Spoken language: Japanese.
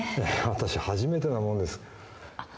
私初めてなもんですあっ